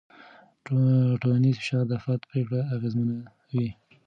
ټولنیز فشار د فرد پرېکړې اغېزمنوي.